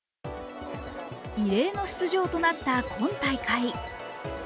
異例の出場となった今大会。